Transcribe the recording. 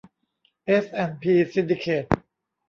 เอส แอนด์ พี ซินดิเคท